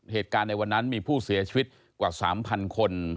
เหตุการณ์ในวันนั้นมีผู้เสียชีวิตกว่า๓๐๐คน